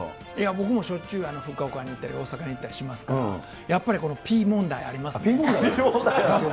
僕もしょっちゅう、福岡に行ったり、大阪に行ったりしますから、やっぱりこのピー問題ありますね。